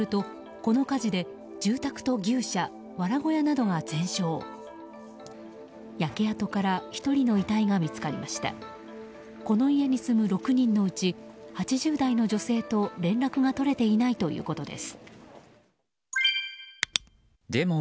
この家に住む６人のうち８０代の女性と連絡が取れていないということです。